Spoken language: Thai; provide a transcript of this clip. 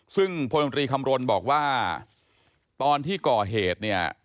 ซึ่งพลตรีคำรณบอกว่าตอนที่ก่อเหตุเนี่ย